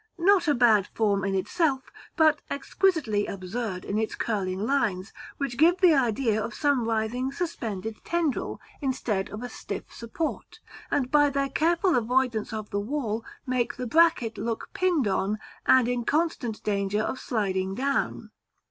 not a bad form in itself, but exquisitely absurd in its curling lines, which give the idea of some writhing suspended tendril, instead of a stiff support, and by their careful avoidance of the wall make the bracket look pinned on, and in constant danger of sliding down.